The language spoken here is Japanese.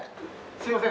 すみません。